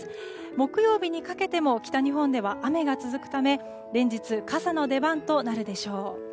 木曜日にかけても北日本では雨が続くため連日、傘の出番となるでしょう。